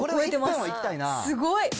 すごい。